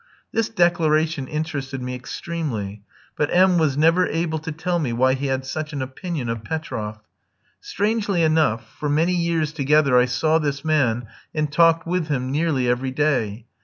This declaration interested me extremely; but M was never able to tell me why he had such an opinion of Petroff. Strangely enough, for many years together I saw this man and talked with him nearly every day.